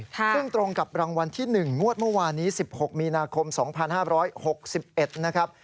ซึ่งตรงกับรางวัลที่๑งวดเมื่อวานนี้๑๖มีนาคม๒๕๖๑นะครับ